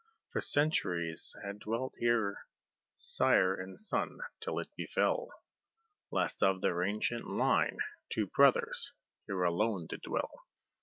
For centuries had dwelt here sire and son, till it befell, Last of their ancient line, two brothers here alone did dwell.